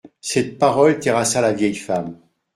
Cette parole terrassa la vieille femme.